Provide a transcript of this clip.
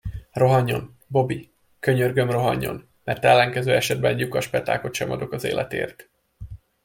Rohanjon, Bobby, könyörgöm, rohanjon, mert ellenkező esetben egy lyukas petákot sem adok az életéért.